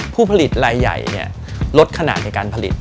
ผู้ผลิตรายใหญ่ลดขนาดในการผลิต